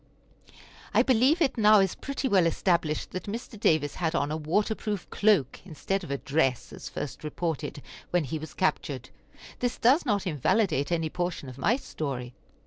I believe it now is pretty well established that Mr. Davis had on a water proof cloak instead of a dress, as first reported, when he was captured. This does not invalidate any portion of my story.